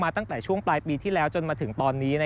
ตั้งแต่ช่วงปลายปีที่แล้วจนมาถึงตอนนี้